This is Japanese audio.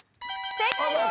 正解です！